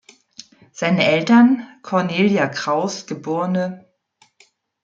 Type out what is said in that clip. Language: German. Seine Eltern Cornelia Kraus geb.